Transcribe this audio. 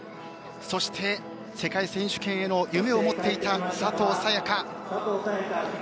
そして、世界選手権への夢を持っていた佐藤早也伽。